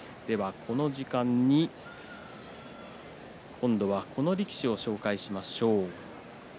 この時間に今度はこの力士を紹介しましょう。